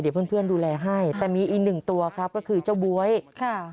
เดี๋ยวเพื่อนเพื่อนดูแลให้แต่มีอีกหนึ่งตัวครับก็คือเจ้าบ๊วยค่ะ